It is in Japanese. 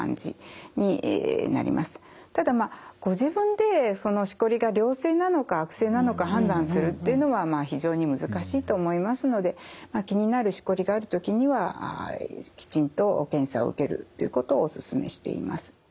ただまあご自分でそのしこりが良性なのか悪性なのか判断するっていうのは非常に難しいと思いますので気になるしこりがある時にはきちんと検査を受けるっていうことをお勧めしています。